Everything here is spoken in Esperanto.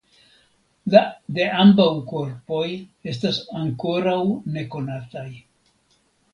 La de ambaŭ korpoj estas ankoraŭ nekonataj.